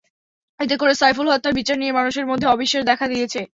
এতে করে সাইফুল হত্যার বিচার নিয়ে মানুষের মধ্যে অবিশ্বাস দেখা দিয়েছে।